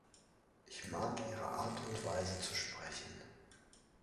Ich mag ihre Art und Weise zu sprechen.